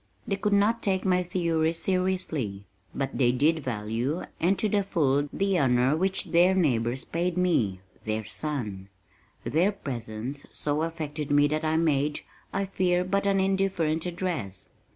They could not take my theories seriously, but they did value and to the full, the honor which their neighbors paid me their son! Their presence so affected me that I made, I fear, but an indifferent address.